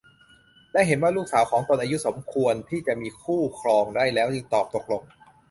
และเห็นว่าลูกสาวของตนอายุสมควรที่จะมีคู่ครองได้แล้วจึงตอบตกลง